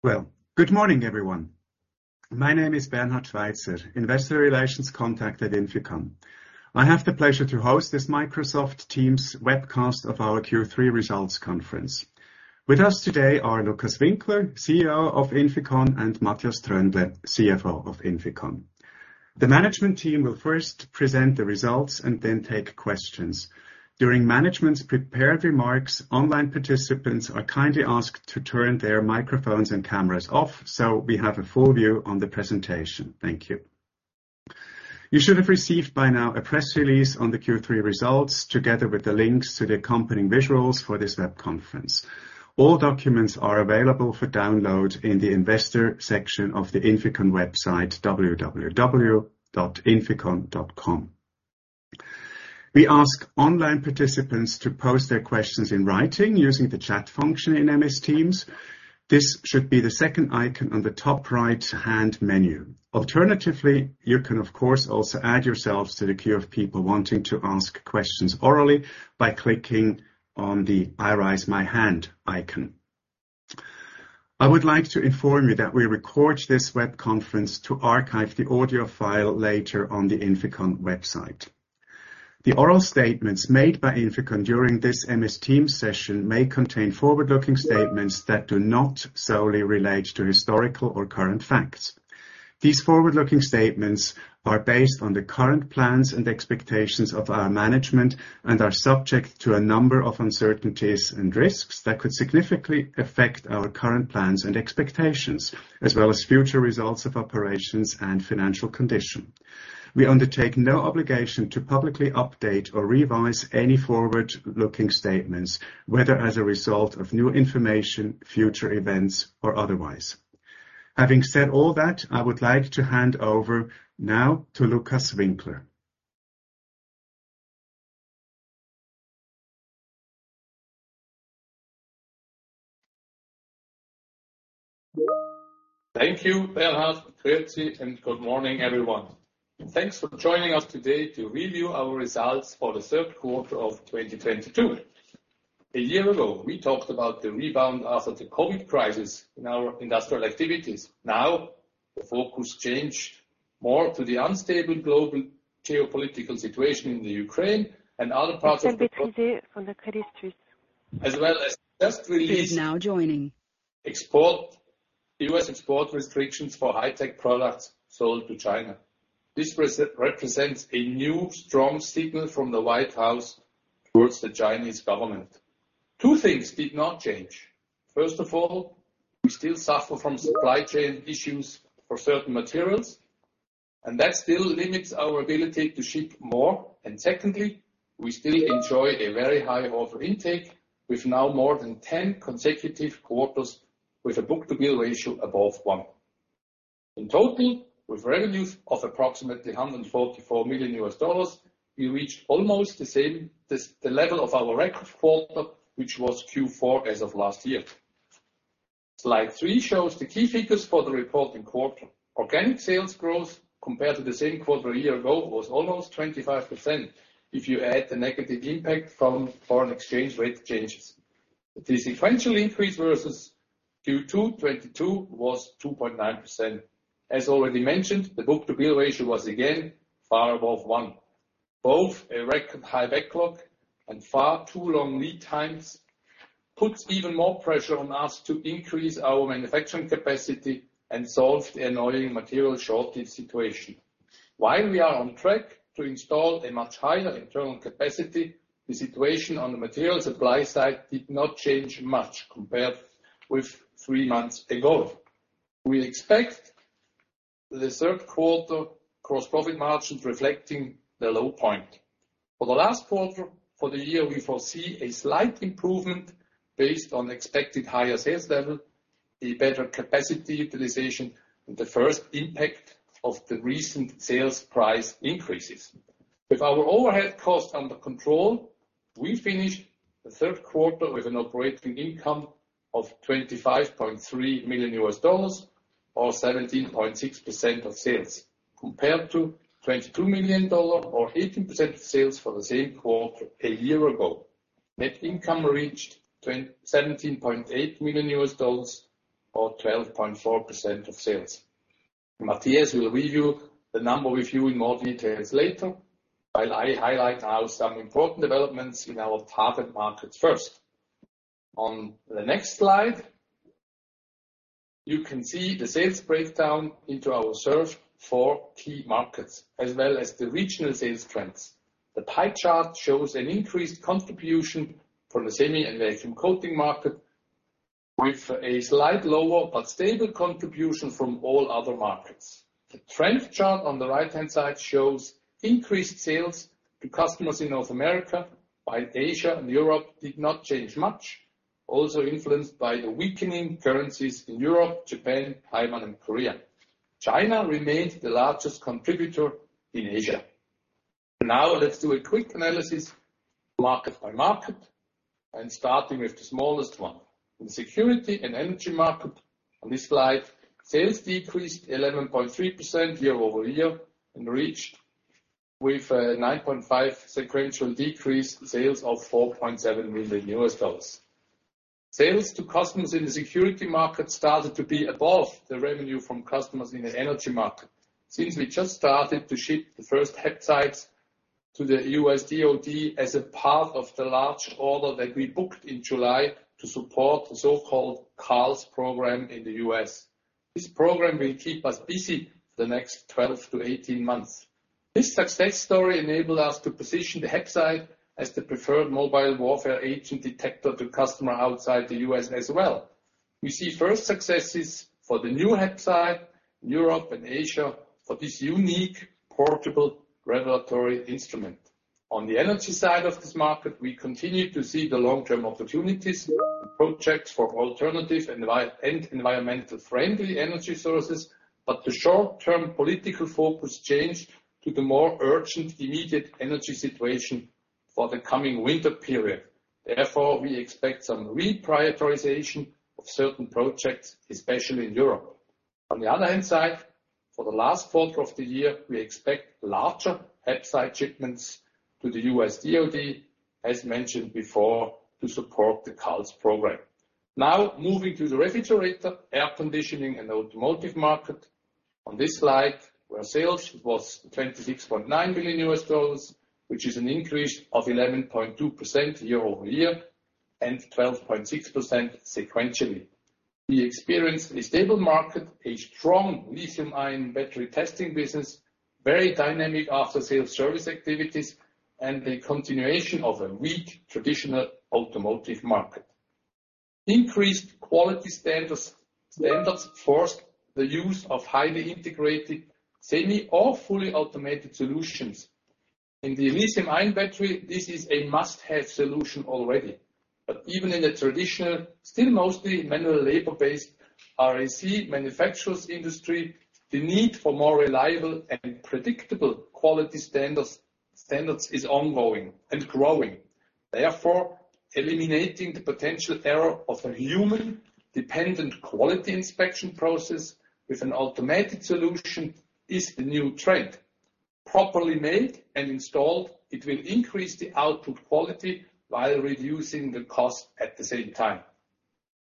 Well, good morning, everyone. My name is Bernhard Schweizer, investor relations contact at INFICON. I have the pleasure to host this Microsoft Teams webcast of our Q3 results conference. With us today are Lukas Winkler, CEO of INFICON, and Matthias Tröndle, CFO of INFICON. The management team will first present the results and then take questions. During management's prepared remarks, online participants are kindly asked to turn their microphones and cameras off, so we have a full view on the presentation. Thank you. You should have received by now a press release on the Q3 results, together with the links to the accompanying visuals for this web conference. All documents are available for download in the investor section of the INFICON website, www.inficon.com. We ask online participants to post their questions in writing using the chat function in MS Teams. This should be the second icon on the top right-hand menu. Alternatively, you can, of course, also add yourselves to the queue of people wanting to ask questions orally by clicking on the I Raise My Hand icon. I would like to inform you that we record this web conference to archive the audio file later on the INFICON website. The oral statements made by INFICON during this MS Teams session may contain forward-looking statements that do not solely relate to historical or current facts. These forward-looking statements are based on the current plans and expectations of our management and are subject to a number of uncertainties and risks that could significantly affect our current plans and expectations, as well as future results of operations and financial condition. We undertake no obligation to publicly update or revise any forward-looking statements, whether as a result of new information, future events or otherwise. Having said all that, I would like to hand over now to Lukas Winkler. Thank you, Bernhard. Grüezi, Good morning, everyone. Thanks for joining us today to review our results for the third quarter of 2022. A year ago, we talked about the rebound after the COVID crisis in our industrial activities. Now, the focus changed more to the unstable global geopolitical situation in Ukraine and other parts. Estelle Betizet from the Credit Suisse. As well as just released. She's now joining. US export restrictions for high-tech products sold to China. This represents a new strong signal from The White House towards the Chinese government. Two things did not change. First of all, we still suffer from supply chain issues for certain materials, and that still limits our ability to ship more. Secondly, we still enjoy a very high order intake, with now more than 10 consecutive quarters, with a book-to-bill ratio above one. In total, with revenues of approximately $144 million, we reached almost the same as the level of our record quarter, which was Q4 as of last year. Slide three shows the key figures for the reporting quarter. Organic sales growth compared to the same quarter a year ago was almost 25%, if you add the negative impact from foreign exchange rate changes. The sequential increase versus Q2 2022 was 2.9%. As already mentioned, the book-to-bill ratio was again far above one. Both a record high backlog and far too long lead times puts even more pressure on us to increase our manufacturing capacity and solve the annoying material shortage situation. While we are on track to install a much higher internal capacity, the situation on the material supply side did not change much compared with three months ago. We expect the third quarter gross profit margins reflecting the low point. For the last quarter for the year, we foresee a slight improvement based on expected higher sales level, a better capacity utilization, and the first impact of the recent sales price increases. With our overhead costs under control, we finish the third quarter with an operating income of $25.3 million or 17.6% of sales, compared to $22 million or 18% of sales for the same quarter a year ago. Net income reached seventeen point eight million US dollars or 12.4% of sales. Matthias will review the numbers with you in more details later, while I highlight now some important developments in our target markets first. On the next slide, you can see the sales breakdown into our served four key markets, as well as the regional sales trends. The pie chart shows an increased contribution from the semi and vacuum coating market, with a slightly lower but stable contribution from all other markets. The trend chart on the right-hand side shows increased sales to customers in North America, while Asia and Europe did not change much, also influenced by the weakening currencies in Europe, Japan, Taiwan, and Korea. China remains the largest contributor in Asia. Now, let's do a quick analysis market by market and starting with the smallest one. In security and energy market, on this slide, sales decreased 11.3% year-over-year and reached, with a 9.5 sequential decrease, sales of $4.7 million. Sales to customers in the security market started to be above the revenue from customers in the energy market. Since we just started to ship the first HAPSITEs to the U.S. DoD as a part of the large order that we booked in July to support the so-called CALS Program in the U.S. This program will keep us busy the next 12-18 months. This success story enabled us to position the HAPSITE as the preferred mobile warfare agent detector to customer outside the U.S. as well. We see first successes for the new HAPSITE in Europe and Asia for this unique portable regulatory instrument. On the energy side of this market, we continue to see the long-term opportunities, projects for alternative environmentally friendly energy sources. The short-term political focus changed to the more urgent, immediate energy situation for the coming winter period. Therefore, we expect some reprioritization of certain projects, especially in Europe. On the other hand, for the last quarter of the year, we expect larger HAPSITE shipments to the U.S. DoD, as mentioned before, to support the CALS program. Now moving to the refrigeration, air conditioning and automotive market. On this slide, where sales was $26.9 million, which is an increase of 11.2% year-over-year and 12.6% sequentially. We experienced a stable market, a strong lithium-ion battery testing business, very dynamic after-sales service activities, and a continuation of a weak traditional automotive market. Increased quality status-standards forced the use of highly integrated, semi or fully automated solutions. In the lithium-ion battery, this is a must-have solution already. Even in a traditional, still mostly manual labor-based RAC manufacturers industry, the need for more reliable and predictable quality standards is ongoing and growing. Therefore, eliminating the potential error of a human-dependent quality inspection process with an automatic solution is the new trend. Properly made and installed, it will increase the output quality while reducing the cost at the same time.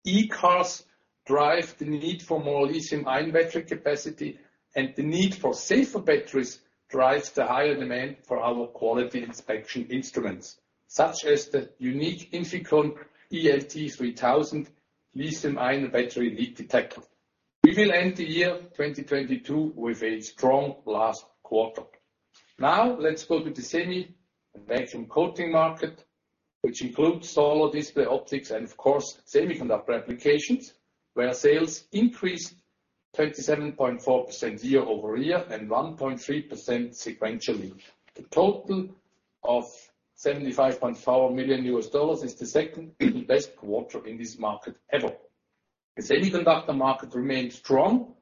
E-cars drive the need for more lithium-ion battery capacity, and the need for safer batteries drives the higher demand for our quality inspection instruments, such as the unique INFICON ELT3000 lithium-ion battery leak detector. We will end the year 2022 with a strong last quarter. Now let's go to the semi and vacuum coating market, which includes solar display optics and of course, semiconductor applications, where sales increased 27.4% year-over-year and 1.3% sequentially. The total of $75.4 million is the second best quarter in this market ever. The semiconductor market remains strong,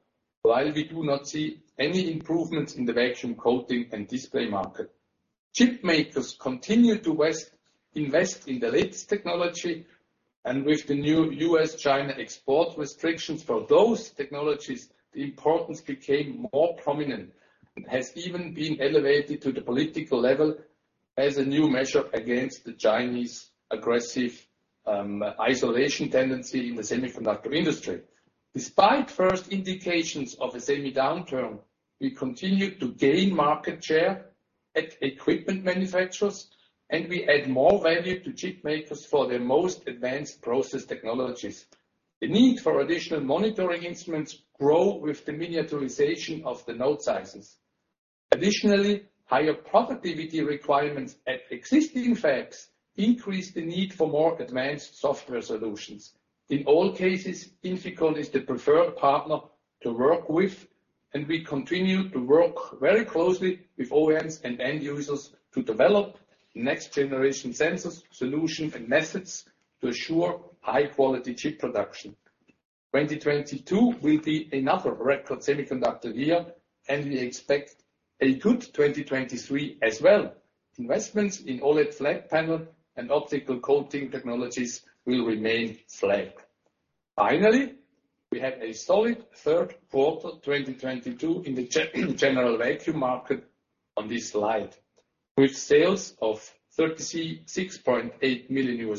while we do not see any improvements in the vacuum coating and display market. Chipmakers continue to invest in the latest technology, and with the new U.S.-China export restrictions for those technologies, the importance became more prominent, and has even been elevated to the political level as a new measure against the Chinese aggressive isolation tendency in the semiconductor industry. Despite first indications of a semi downturn, we continue to gain market share at equipment manufacturers, and we add more value to chipmakers for their most advanced process technologies. The need for additional monitoring instruments grow with the miniaturization of the node sizes. Additionally, higher profitability requirements at existing fabs increase the need for more advanced software solutions. In all cases, INFICON is the preferred partner to work with, and we continue to work very closely with OEMs and end users to develop next generation sensors, solutions and methods to assure high quality chip production. 2022 will be another record semiconductor year, and we expect a good 2023 as well. Investments in OLED flat panel and optical coating technologies will remain flat. Finally, we have a solid third quarter 2022 in the general vacuum market on this slide, with sales of $36.8 million,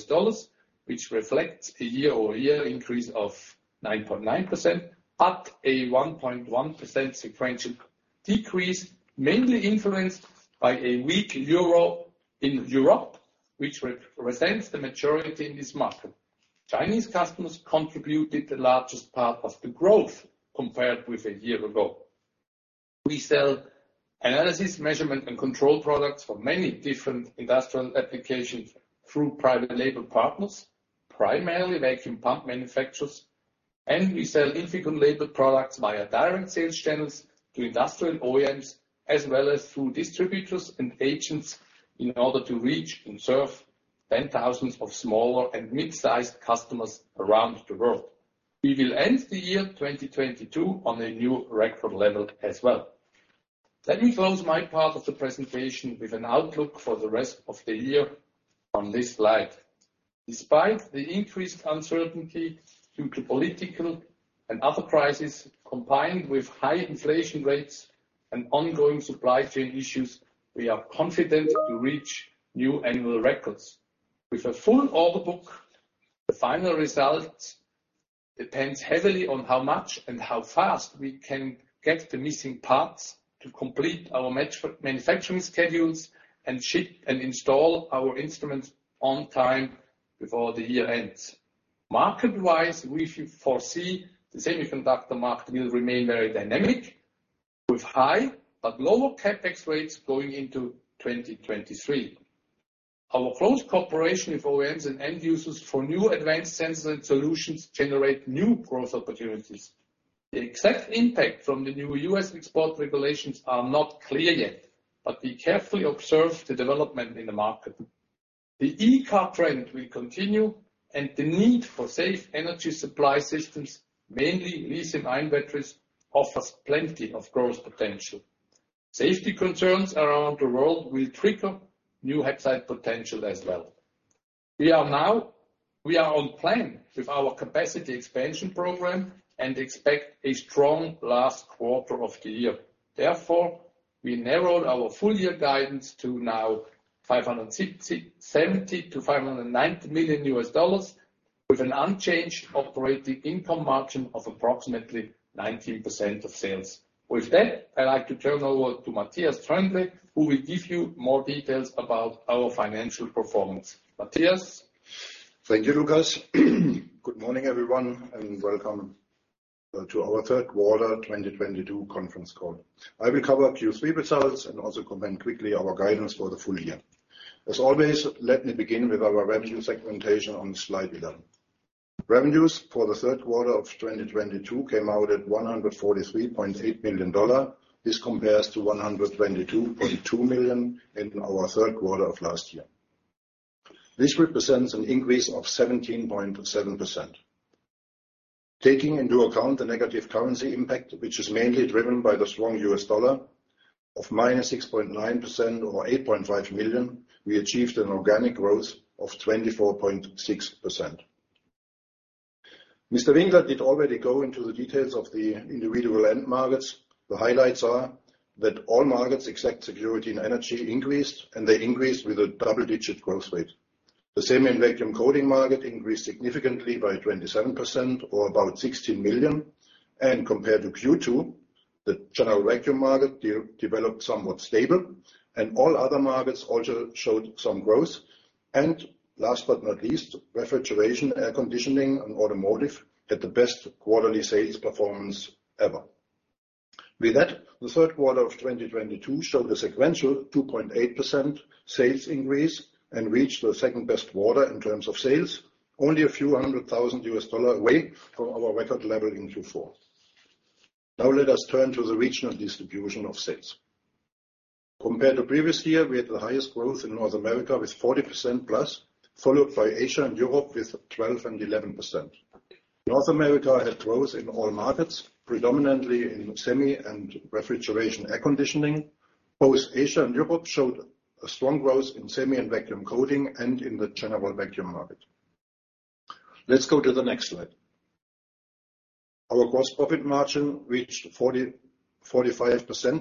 which reflects a year-over-year increase of 9.9%, but a 1.1% sequential decrease, mainly influenced by a weak euro in Europe, which represents the majority in this market. Chinese customers contributed the largest part of the growth compared with a year ago. We sell analysis, measurement and control products for many different industrial applications through private label partners, primarily vacuum pump manufacturers. We sell INFICON-labeled products via direct sales channels to industrial OEMs, as well as through distributors and agents in order to reach and serve tens of thousands of smaller and mid-sized customers around the world. We will end the year 2022 on a new record level as well. Let me close my part of the presentation with an outlook for the rest of the year on this slide. Despite the increased uncertainty due to political and other crises, combined with high inflation rates and ongoing supply chain issues, we are confident to reach new annual records. With a full order book, the final result depends heavily on how much and how fast we can get the missing parts to complete our manufacturing schedules and ship and install our instruments on time before the year ends. Market-wise, we should foresee the semiconductor market will remain very dynamic with high but lower CapEx rates going into 2023. Our close cooperation with OEMs and end users for new advanced sensor solutions generate new growth opportunities. The exact impact from the new U.S. export regulations are not clear yet, but we carefully observe the development in the market. The e-car trend will continue, and the need for safe energy supply systems, mainly lithium-ion batteries, offers plenty of growth potential. Safety concerns around the world will trigger new upside potential as well. We are on plan with our capacity expansion program and expect a strong last quarter of the year. Therefore, we narrowed our full year guidance to now $570 million-$590 million with an unchanged operating income margin of approximately 19% of sales. With that, I'd like to turn over to Matthias Tröndle, who will give you more details about our financial performance. Matthias. Thank you, Lukas. Good morning, everyone, and welcome to our third quarter 2022 conference call. I will cover Q3 results and also comment quickly our guidance for the full year. As always, let me begin with our revenue segmentation on slide 11. Revenues for the third quarter of 2022 came out at $143.8 million. This compares to $122.2 million in our third quarter of last year. This represents an increase of 17.7%. Taking into account the negative currency impact, which is mainly driven by the strong U.S. dollar of -6.9% or $8.5 million, we achieved an organic growth of 24.6%. Mr. Winkler did already go into the details of the individual end markets. The highlights are that all markets except security and energy increased, and they increased with a double-digit growth rate. The semi and vacuum coating market increased significantly by 27% or about $16 million. Compared to Q2, the general vacuum market developed somewhat stably, and all other markets also showed some growth. Last but not least, refrigeration, air conditioning, and automotive had the best quarterly sales performance ever. With that, the third quarter of 2022 showed a sequential 2.8% sales increase and reached the second-best quarter in terms of sales, only a few hundred thousand dollars away from our record level in Q4. Now let us turn to the regional distribution of sales. Compared to previous year, we had the highest growth in North America with 40%+, followed by Asia and Europe with 12% and 11%. North America had growth in all markets, predominantly in semi and refrigeration, air conditioning. Both Asia and Europe showed a strong growth in semi and vacuum coating and in the general vacuum market. Let's go to the next slide. Our gross profit margin reached 44-45%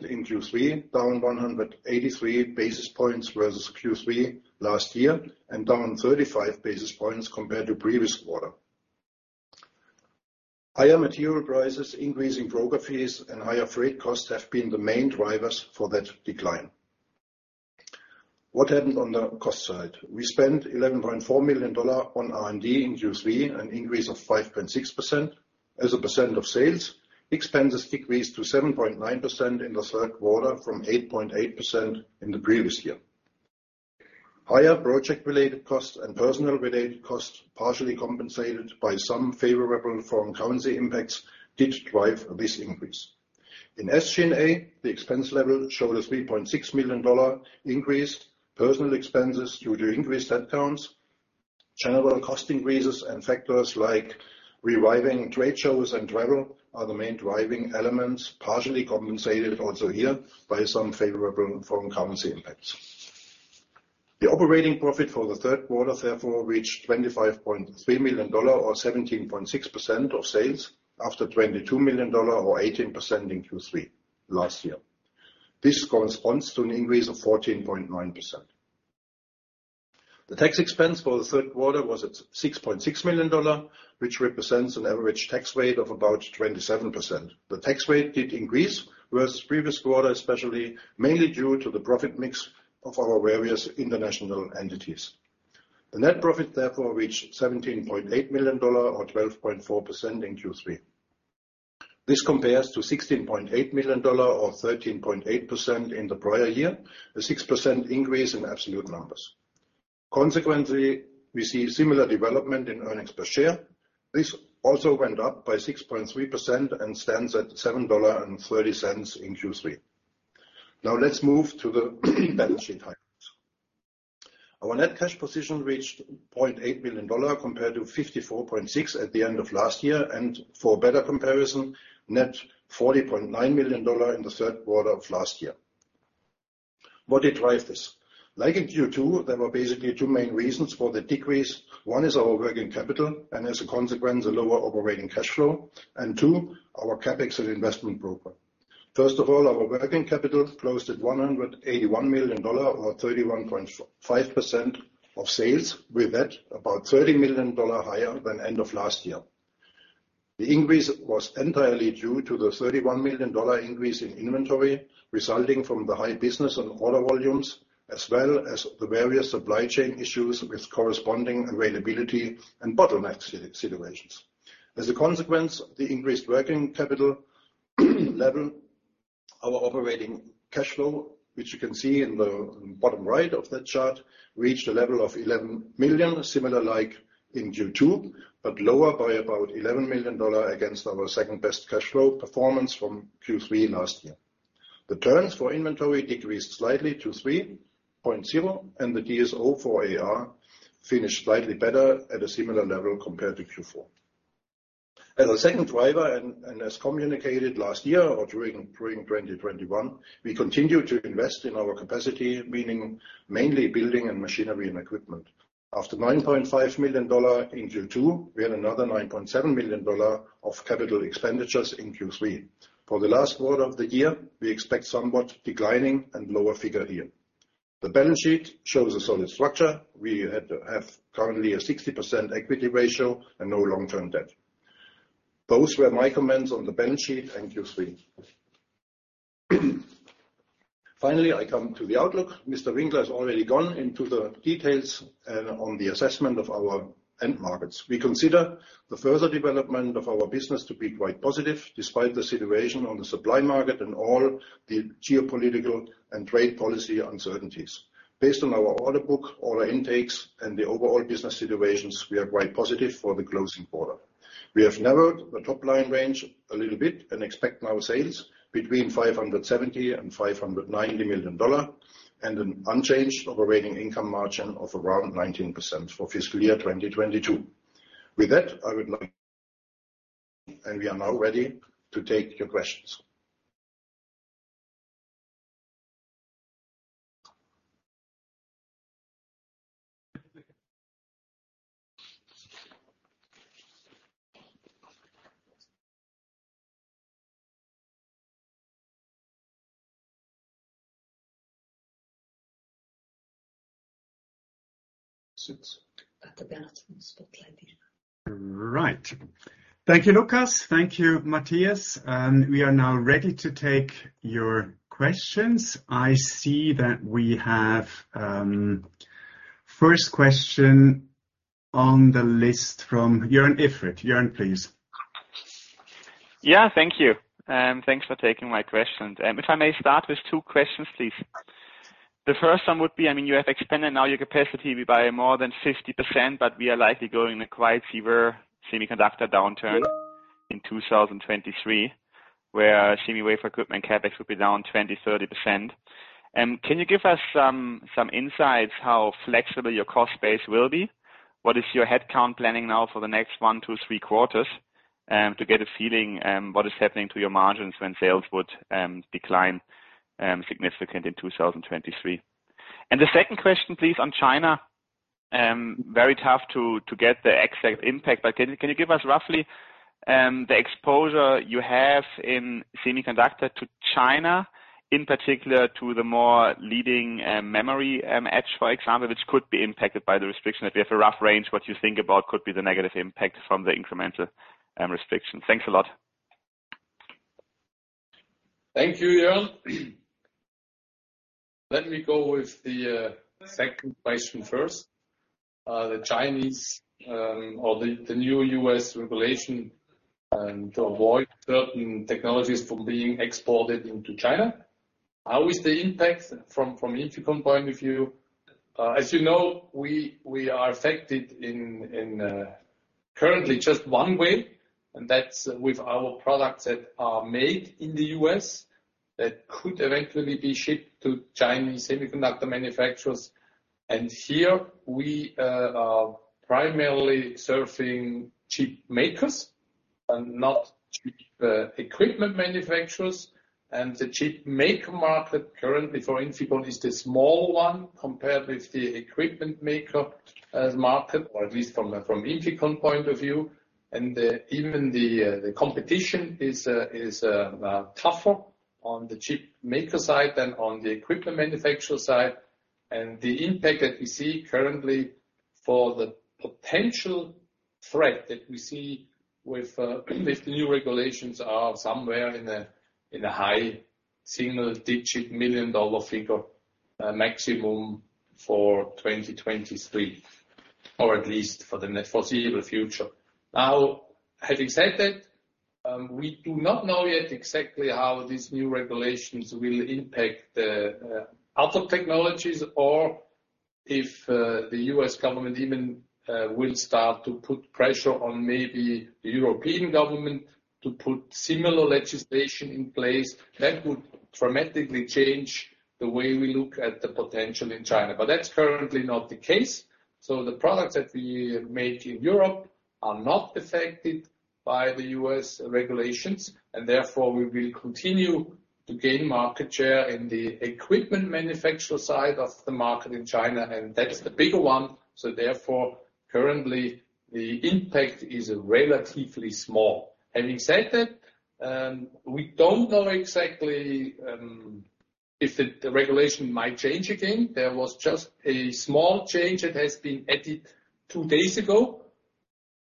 in Q3, down 183 basis points versus Q3 last year and down 35 basis points compared to previous quarter. Higher material prices, increasing broker fees, and higher freight costs have been the main drivers for that decline. What happened on the cost side? We spent $11.4 million on R&D in Q3, an increase of 5.6%. As a percent of sales, expenses decreased to 7.9% in the third quarter from 8.8% in the previous year. Higher personnel-related costs and project-related costs, partially compensated by some favorable foreign currency impacts, did drive this increase. In SG&A, the expense level showed a $3.6 million increase. Personnel expenses due to increased headcounts, general cost increases, and factors like reviving trade shows and travel are the main driving elements, partially compensated also here by some favorable foreign currency impacts. The operating profit for the third quarter therefore reached $25.3 million or 17.6% of sales after $22 million or 18% in Q3 last year. This corresponds to an increase of 14.9%. The tax expense for the third quarter was at $6.6 million, which represents an average tax rate of about 27%. The tax rate did increase versus previous quarter, especially mainly due to the profit mix of our various international entities. The net profit therefore reached $17.8 million or 12.4% in Q3. This compares to $16.8 million or 13.8% in the prior year, a 6% increase in absolute numbers. Consequently, we see similar development in earnings per share. This also went up by 6.3% and stands at $7.30 in Q3. Now let's move to the balance sheet highlights. Our net cash position reached $0.8 million compared to $54.6 million at the end of last year. For better comparison, net $40.9 million in the third quarter of last year. What did drive this? Like in Q2, there were basically two main reasons for the decrease. One is our working capital, and as a consequence, the lower operating cash flow. Two, our CapEx and investment program. First of all, our working capital closed at $181 million or 31.5% of sales. With that, about $30 million higher than end of last year. The increase was entirely due to the $31 million increase in inventory resulting from the high business and order volumes, as well as the various supply chain issues with corresponding availability and bottleneck situations. As a consequence of the increased working capital level, our operating cash flow, which you can see in the bottom right of that chart, reached a level of $11 million, similar like in Q2, but lower by about $11 million against our second-best cash flow performance from Q3 last year. The turns for inventory decreased slightly to 3.0, and the DSO for AR finished slightly better at a similar level compared to Q4. As a second driver and as communicated last year or during 2021, we continue to invest in our capacity, meaning mainly building and machinery and equipment. After $9.5 million in Q2, we had another $9.7 million of capital expenditures in Q3. For the last quarter of the year, we expect somewhat declining and lower figure here. The balance sheet shows a solid structure. We have currently a 60% equity ratio and no long-term debt. Those were my comments on the balance sheet in Q3. Finally, I come to the outlook. Mr. Winkler has already gone into the details on the assessment of our end markets. We consider the further development of our business to be quite positive, despite the situation on the supply market and all the geopolitical and trade policy uncertainties. Based on our order book, order intakes, and the overall business situations, we are quite positive for the closing quarter. We have narrowed the top-line range a little bit and expect now sales between CHF 570 million-CHF 580 million and an unchanged operating income margin of around 19% for fiscal year 2022. We are now ready to take your questions. Right. Thank you, Lukas. Thank you, Matthias. We are now ready to take your questions. I see that we have first question on the list from Jörn Iffert. Jörn, please. Yeah, thank you, and thanks for taking my question. If I may start with two questions, please. The first one would be, I mean, you have expanded now your capacity by more than 50%, but we are likely facing a quite severe semiconductor downturn in 2023, where semiconductor wafer equipment CapEx will be down 20%-30%. Can you give us some insights how flexible your cost base will be? What is your headcount planning now for the next 1-3 quarters, to get a feeling, what is happening to your margins when sales would decline significantly in 2023. The second question, please, on China. Very tough to get the exact impact. Can you give us roughly the exposure you have in semiconductor to China, in particular, to the more leading-edge memory, for example, which could be impacted by the restriction? If you have a rough range, what you think about could be the negative impact from the incremental restriction. Thanks a lot. Thank you, Jörn Iffert. Let me go with the second question first. The Chinese or the new U.S. regulation to avoid certain technologies from being exported into China. How is the impact from INFICON point of view? As you know, we are affected currently just one way, and that's with our products that are made in the U.S. that could eventually be shipped to Chinese semiconductor manufacturers. Here we are primarily serving chip makers and not chip equipment manufacturers. The chip maker market currently for INFICON is the small one compared with the equipment maker market or at least from INFICON point of view. Even the competition is tougher on the chip maker side than on the equipment manufacturer side. The impact that we see currently for the potential threat that we see with new regulations are somewhere in a high single-digit $ million figure, maximum for 2023 or at least for the near foreseeable future. Now, having said that, we do not know yet exactly how these new regulations will impact the other technologies or if the U.S. government even will start to put pressure on maybe the European government to put similar legislation in place. That would dramatically change the way we look at the potential in China. That's currently not the case. The products that we make in Europe are not affected. By the U.S. regulations, and therefore we will continue to gain market share in the equipment manufacture side of the market in China, and that's the bigger one. Therefore, currently the impact is relatively small. Having said that, we don't know exactly if the regulation might change again. There was just a small change that has been added two days ago.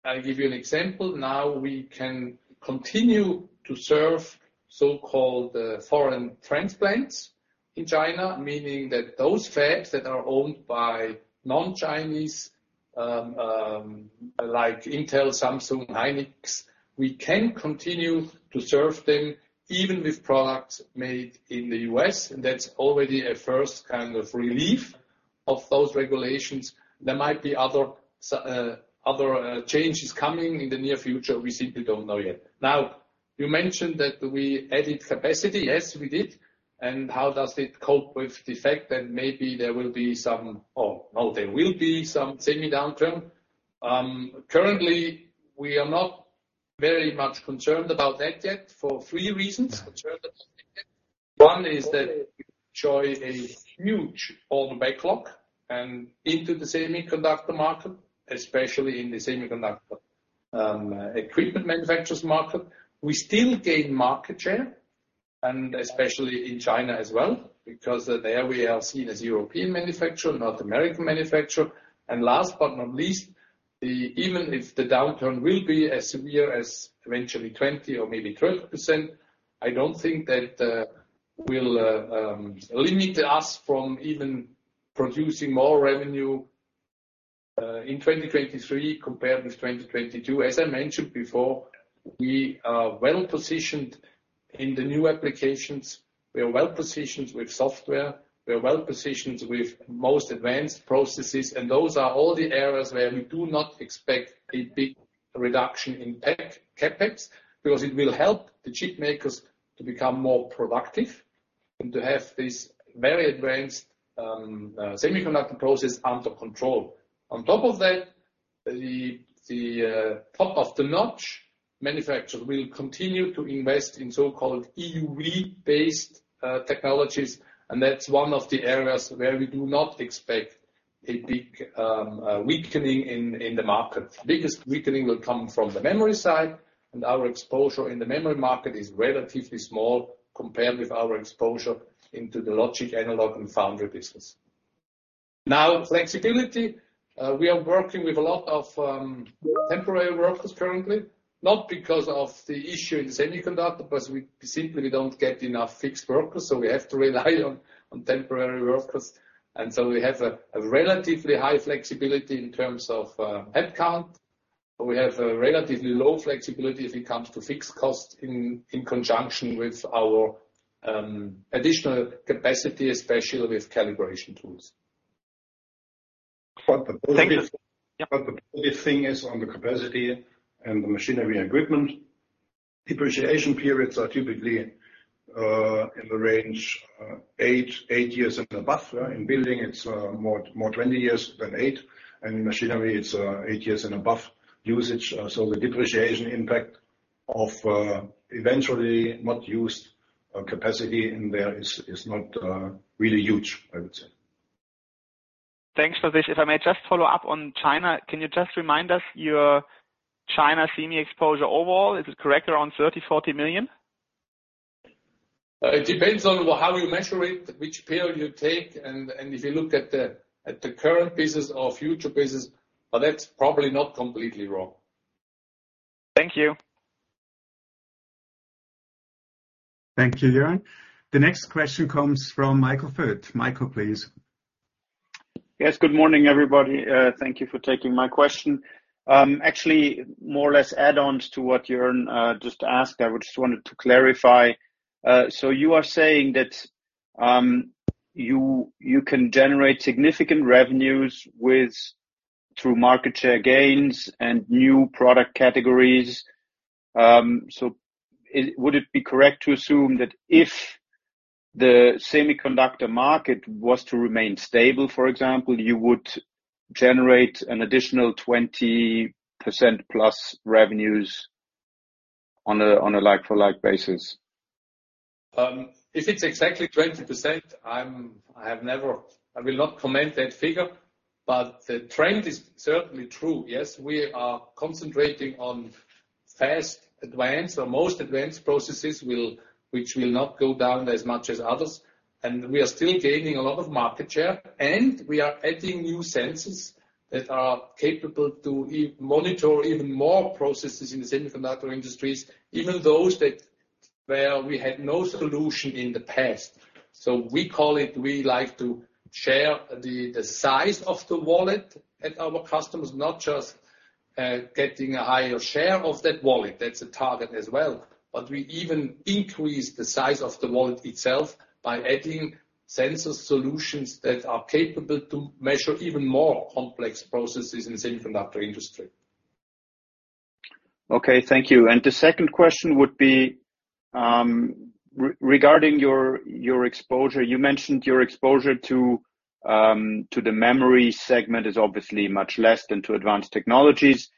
I'll give you an example. Now we can continue to serve so-called foreign transplants in China, meaning that those fabs that are owned by non-Chinese, like Intel, Samsung, SK Hynix, we can continue to serve them even with products made in the U.S., and that's already a first kind of relief of those regulations. There might be other changes coming in the near future. We simply don't know yet. Now, you mentioned that we added capacity. Yes, we did. How does it cope with the fact that maybe there will be some. Oh, no, there will be some semi downturn. Currently, we are not very much concerned about that yet for three reasons. One is that we enjoy a huge order backlog and into the semiconductor market, especially in the semiconductor, equipment manufacturers market. We still gain market share and especially in China as well, because there we are seen as European manufacturer, not American manufacturer. Last but not least, even if the downturn will be as severe as eventually 20% or maybe 12%, I don't think that will limit us from even producing more revenue in 2023 compared with 2022. As I mentioned before, we are well-positioned in the new applications. We are well-positioned with software. We are well-positioned with most advanced processes, and those are all the areas where we do not expect a big reduction in CapEx, because it will help the chip makers to become more productive and to have this very advanced semiconductor process under control. On top of that, the top-notch manufacturer will continue to invest in so-called EUV-based technologies, and that's one of the areas where we do not expect a big weakening in the market. Biggest weakening will come from the memory side, and our exposure in the memory market is relatively small compared with our exposure into the logic, analog, and foundry business. Now, flexibility. We are working with a lot of temporary workers currently, not because of the issue in semiconductor, but we simply don't get enough fixed workers, so we have to rely on temporary workers. We have a relatively high flexibility in terms of headcount. We have a relatively low flexibility if it comes to fixed cost in conjunction with our additional capacity, especially with calibration tools. Thank you. Yep. The big thing is on the capacity and the machinery equipment. Depreciation periods are typically in the range 8 years and above. In building, it's more 20 years than eight. In machinery, it's eight years and above usage. The depreciation impact of eventually not used capacity in there is not really huge, I would say. Thanks for this. If I may just follow up on China, can you just remind us your China semi exposure overall? Is it correct around 30 million-40 million? It depends on how you measure it, which period you take, and if you look at the current business or future business. That's probably not completely wrong. Thank you. Thank you, Jörn. The next question comes from Michael Foeth. Michael, please. Yes. Good morning, everybody. Thank you for taking my question. Actually, more or less add-ons to what Jörn just asked. I would just wanted to clarify. So you are saying that you can generate significant revenues through market share gains and new product categories. So would it be correct to assume that if the semiconductor market was to remain stable, for example, you would generate an additional 20% plus revenues on a like-for-like basis? If it's exactly 20%, I have never. I will not comment that figure. The trend is certainly true. Yes, we are concentrating on fast advancing or most advanced processes which will not go down as much as others. We are still gaining a lot of market share, and we are adding new sensors that are capable to monitor even more processes in the semiconductor industries, even those that were we had no solution in the past. We call it, we like to share the size of the wallet at our customers, not just getting a higher share of that wallet. That's a target as well. We even increase the size of the wallet itself by adding sensor solutions that are capable to measure even more complex processes in the semiconductor industry. Okay. Thank you. The second question would be regarding your exposure. You mentioned your exposure to the memory segment is obviously much less than to advanced technologies.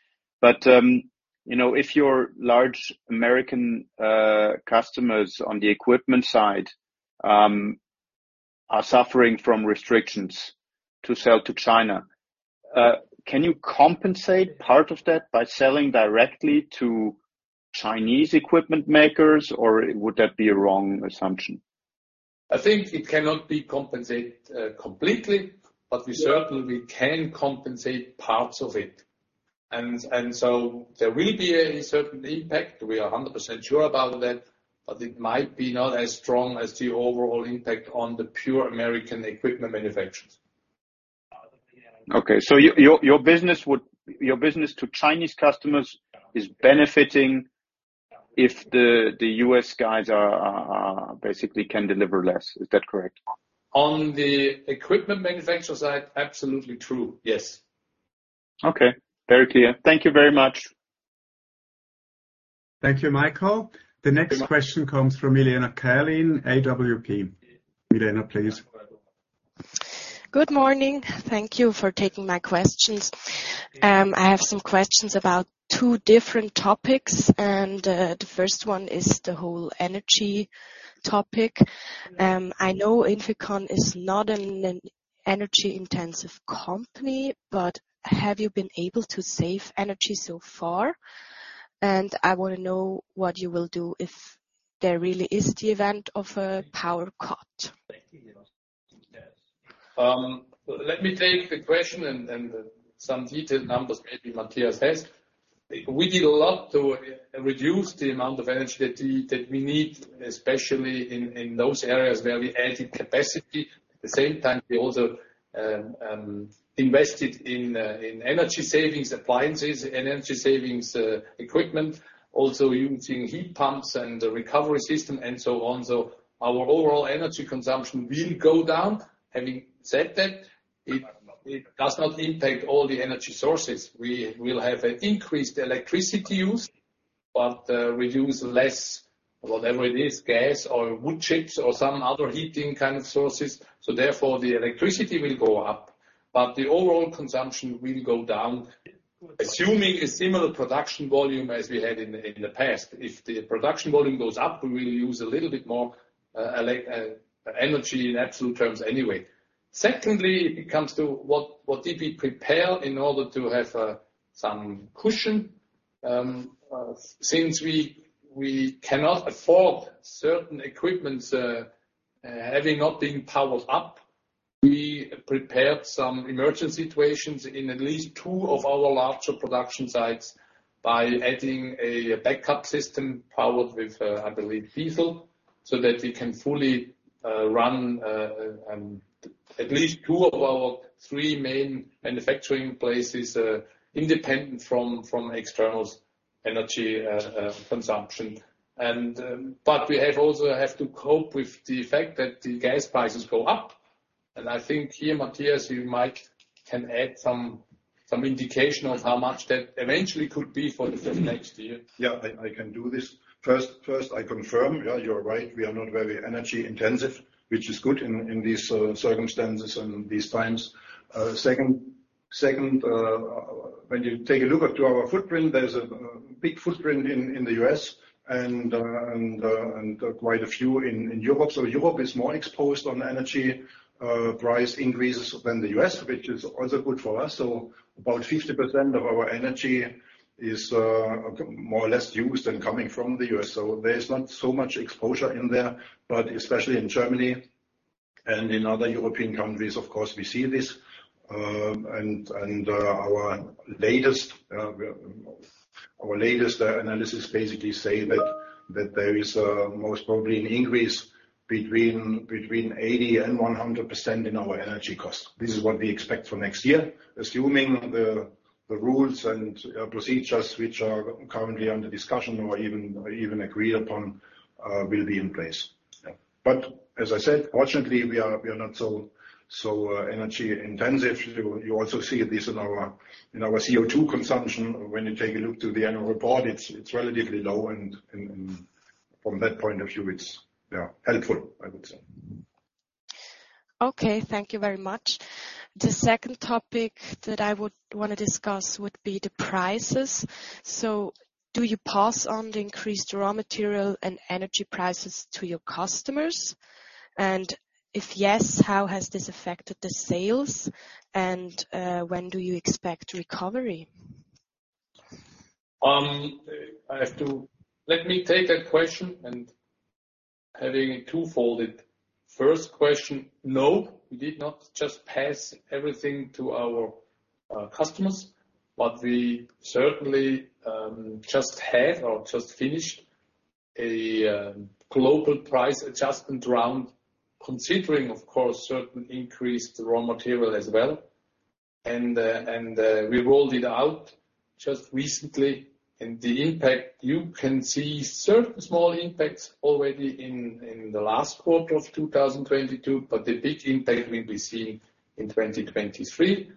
You know, if your large American customers on the equipment side are suffering from restrictions to sell to China, can you compensate part of that by selling directly to Chinese equipment makers, or would that be a wrong assumption? I think it cannot be compensated completely, but we certainly can compensate parts of it. There will be a certain impact. We are 100% sure about that, but it might not be as strong as the overall impact on the pure American equipment manufacturers. Your business to Chinese customers is benefiting if the U.S. guys basically can deliver less. Is that correct? On the equipment manufacturer side, absolutely true, yes. Okay. Very clear. Thank you very much. Thank you, Michael. The next question comes from Milena Gehrlin, AWP. Milena, please. Good morning. Thank you for taking my questions. I have some questions about two different topics, and the first one is the whole energy topic. I know INFICON is not an energy-intensive company, but have you been able to save energy so far? I wanna know what you will do if there really is the event of a power cut. Let me take the question and some detailed numbers, maybe Matthias has. We did a lot to reduce the amount of energy that we need, especially in those areas where we added capacity. At the same time, we also invested in energy savings appliances and energy savings equipment, also using heat pumps and recovery system and so on. Our overall energy consumption will go down. Having said that, it does not impact all the energy sources. We will have an increased electricity use, but use less, whatever it is, gas or wood chips or some other heating kind of sources. Therefore, the electricity will go up, but the overall consumption will go down, assuming a similar production volume as we had in the past. If the production volume goes up, we will use a little bit more energy in absolute terms anyway. Secondly, it comes to what we prepared in order to have some cushion. Since we cannot afford certain equipment having not been powered up, we prepared some emergency situations in at least two of our larger production sites by adding a backup system powered with, I believe, diesel, so that we can fully run at least two of our three main manufacturing places independent from external energy consumption. We also have to cope with the fact that the gas prices go up. I think here, Matthias, you might can add some indication of how much that eventually could be for the next year. Yeah, I can do this. First, I confirm, yeah, you're right. We are not very energy intensive, which is good in these circumstances and these times. Second, when you take a look at our footprint, there's a big footprint in the U.S. and quite a few in Europe. Europe is more exposed on energy price increases than the U.S., which is also good for us. About 50% of our energy is more or less used and coming from the U.S. There is not so much exposure in there, but especially in Germany and in other European countries, of course, we see this. Our latest analysis basically say that there is most probably an increase between 80% and 100% in our energy cost. This is what we expect for next year, assuming the rules and procedures which are currently under discussion or even agreed upon will be in place. As I said, fortunately, we are not so energy-intensive. You also see this in our CO₂ consumption. When you take a look to the annual report, it's relatively low and from that point of view, it's yeah, helpful, I would say. Okay, thank you very much. The second topic that I would wanna discuss would be the prices. Do you pass on the increased raw material and energy prices to your customers? If yes, how has this affected the sales? When do you expect recovery? Let me take that question and having it two-folded. First question, no, we did not just pass everything to our customers, but we certainly just have or just finished a global price adjustment round, considering of course, certain increased raw material as well. We rolled it out just recently. The impact, you can see certain small impacts already in the last quarter of 2022, but the big impact will be seen in 2023.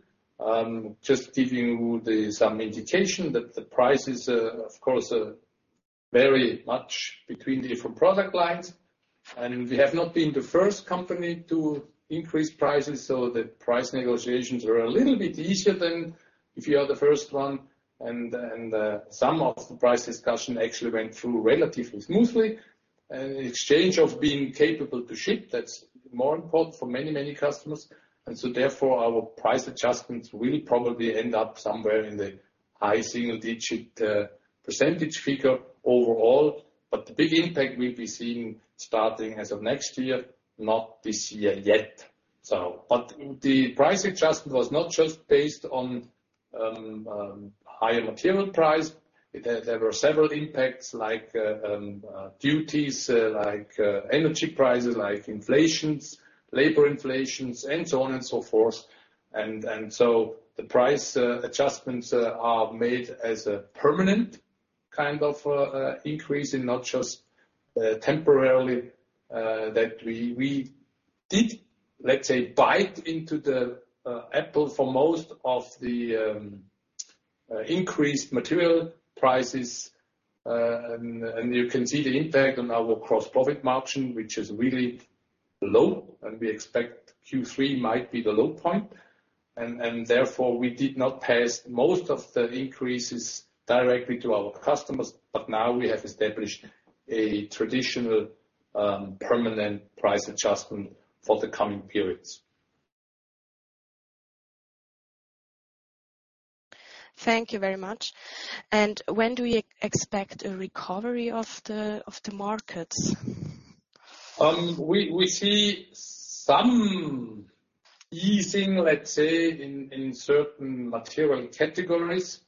Just giving you some indication that the prices, of course, vary much between different product lines. We have not been the first company to increase prices, so the price negotiations are a little bit easier than if you are the first one. Some of the price discussion actually went through relatively smoothly. In exchange for being capable to ship, that's more important for many, many customers. Therefore, our price adjustments will probably end up somewhere in the high single-digit % overall. The big impact we'll be seeing starting as of next year, not this year yet. The price adjustment was not just based on higher material price. There were several impacts like duties, like energy prices, like inflation, labor inflation and so on and so forth. The price adjustments are made as a permanent kind of increase and not just temporarily. That we did, let's say, bite into the apple for most of the increased material prices. You can see the impact on our gross profit margin, which is really low. We expect Q3 might be the low point. Therefore, we did not pass most of the increases directly to our customers. We have established a traditional, permanent price adjustment for the coming periods. Thank you very much. When do we expect a recovery of the markets? We see some easing, let's say, in certain material categories.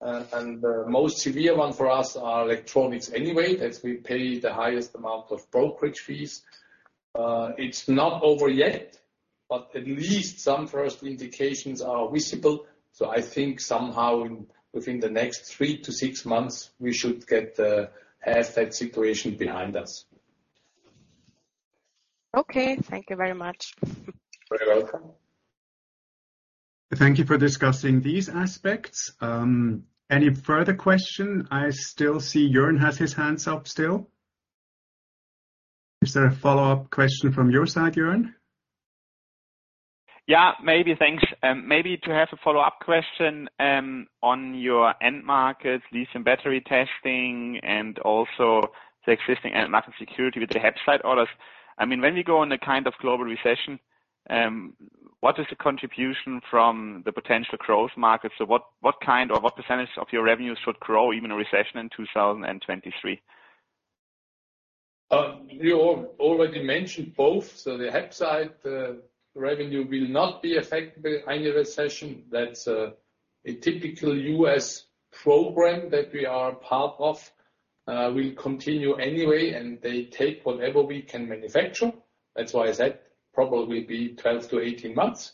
The most severe one for us are electronics anyway, as we pay the highest amount of brokerage fees. It's not over yet, but at least some first indications are visible. I think somehow within the next 3-6 months, we should have that situation behind us. Okay. Thank you very much. You're welcome. Thank you for discussing these aspects. Any further question? I still see Jörn Iffert has his hands up still. Is there a follow-up question from your side, Jörn Iffert? Yeah, maybe. Thanks. Maybe to have a follow-up question on your end markets, lithium battery testing, and also the existing end market security with the HAPSITE orders. I mean, when we go into a kind of global recession, what is the contribution from the potential growth markets? What kind or what percentage of your revenues should grow even in a recession in 2023? You already mentioned both. The HAPSITE revenue will not be affected by any recession. That's a typical U.S. program that we are part of will continue anyway, and they take whatever we can manufacture. That's why I said probably be 12-18 months.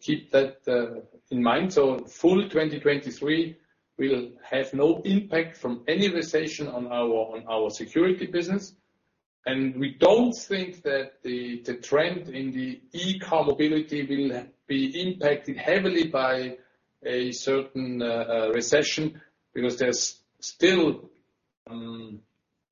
Keep that in mind. Full 2023 will have no impact from any recession on our security business. We don't think that the trend in the e-car mobility will be impacted heavily by a certain recession, because there's still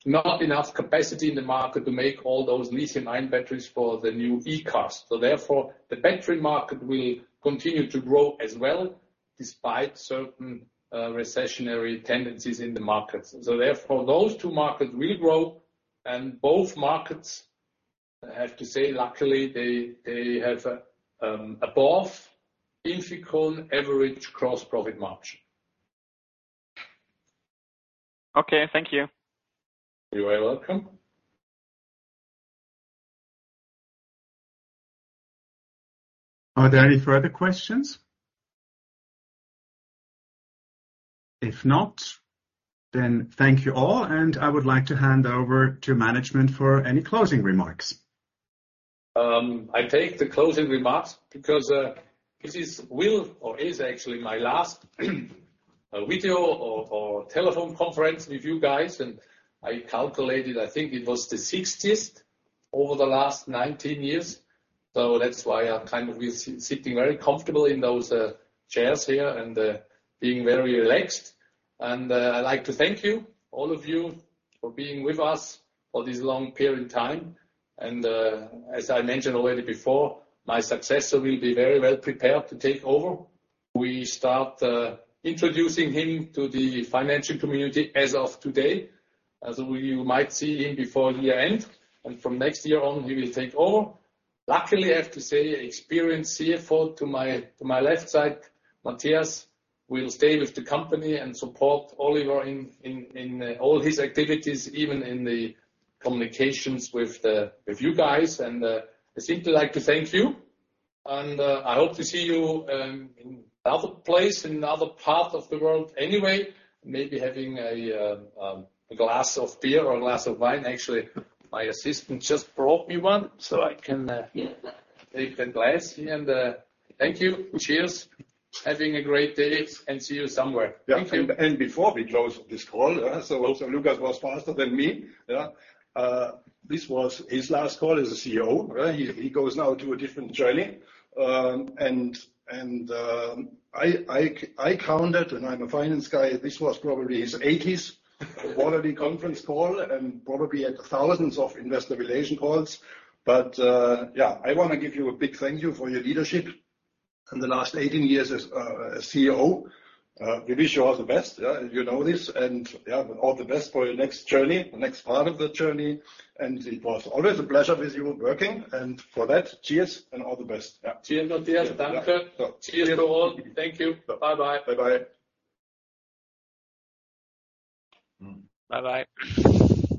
not enough capacity in the market to make all those lithium-ion batteries for the new e-cars. The battery market will continue to grow as well, despite certain recessionary tendencies in the markets. Therefore, those two markets will grow, and both markets, I have to say, luckily they have above INFICON average gross profit margin. Okay. Thank you. You are welcome. Are there any further questions? If not, then thank you all, and I would like to hand over to management for any closing remarks. I take the closing remarks because this is actually my last video or telephone conference with you guys. I calculated, I think it was the 60th over the last 19 years. That's why I'm kind of sitting very comfortable in those chairs here and being very relaxed. I'd like to thank you, all of you, for being with us for this long period of time. As I mentioned already before, my successor will be very well prepared to take over. We start introducing him to the financial community as of today. As you might see him before year-end, and from next year on, he will take over. Luckily, I have to say, experienced CFO to my left side, Matthias, will stay with the company and support Oliver in all his activities, even in the communications with you guys. I simply like to thank you. I hope to see you in another place, in another part of the world anyway. Maybe having a glass of beer or a glass of wine. Actually, my assistant just brought me one, so I can take a glass. Thank you. Cheers. Having a great day, and see you somewhere. Thank you. Yeah. Before we close this call, also, Lukas was faster than me. Yeah. This was his last call as a CEO. He goes now to a different journey. I counted, and I'm a finance guy, this was probably his 80th quarterly conference call and probably thousands of investor relations calls. I wanna give you a big thank you for your leadership in the last 18 years as CEO. We wish you all the best. You know this. All the best for your next journey, the next part of the journey. It was always a pleasure with you working. For that, cheers and all the best. Yeah. Cheers, Matthias. Yeah. Thank you. So. Cheers to all. Thank you. Bye-bye. Bye-bye. Bye-bye.